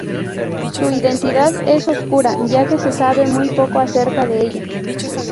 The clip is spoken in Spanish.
Su identidad es oscura, ya que se sabe muy poco acerca de ella.